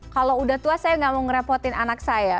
kalau udah tua saya nggak mau ngerepotin anak saya